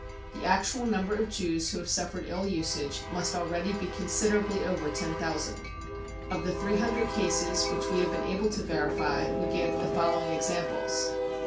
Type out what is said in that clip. The actual number of Jews who have suffered ill usage must already be considerably over ten thousand. Of the three hundred cases which we have been able to verify we give the following examples.